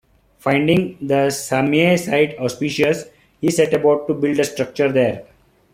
Finding the Samye site auspicious, he set about to build a structure there.